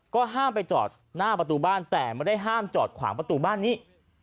ก็ห้ามไปจอดหน้าประตูบ้านแต่ไม่ได้ห้ามจอดขวางประตูบ้านนี้